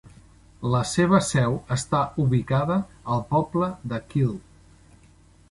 La seva seu està ubicada al poble de Kil.